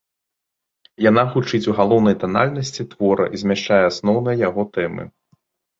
Яна гучыць у галоўнай танальнасці твора і змяшчае асноўныя яго тэмы.